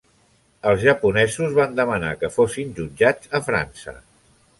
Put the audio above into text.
Els japonesos van demanar que fossin jutjats a França.